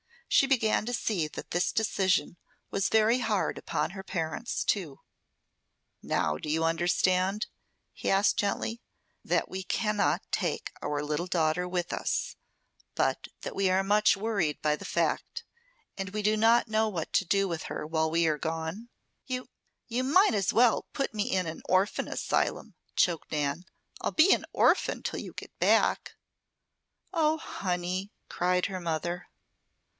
She began to see that this decision was very hard upon her parents, too. "Now do you understand," he asked gently, "that we cannot take our little daughter with us, but that we are much worried by the fact, and we do not know what to do with her while we are gone?" "You, you might as well put me in an orphan asylum," choked Nan. "I'll be an orphan till you get back." "Oh, honey!" cried her mother.